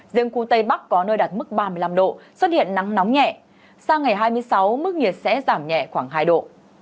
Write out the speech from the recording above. riêng khu tây bắc có nơi đặt mức ba mươi năm độ xuất hiện nắng nóng nhẹ sang ngày hai mươi sáu mức nhiệt sẽ giảm nhẹ khoảng hai độ